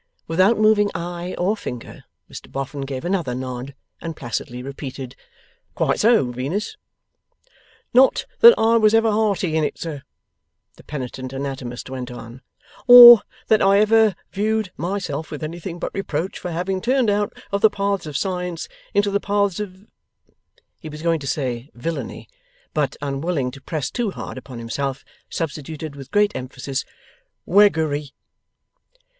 Without moving eye or finger, Mr Boffin gave another nod, and placidly repeated, 'Quite so, Venus.' 'Not that I was ever hearty in it, sir,' the penitent anatomist went on, 'or that I ever viewed myself with anything but reproach for having turned out of the paths of science into the paths of ' he was going to say 'villany,' but, unwilling to press too hard upon himself, substituted with great emphasis 'Weggery.